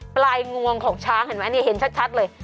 ปลายงวงของช้างเห็นไหมเนี่ยเห็นชัดเลย